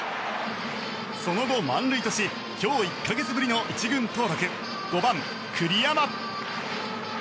その後、満塁とし今日１か月ぶりの１軍登録５番、栗山。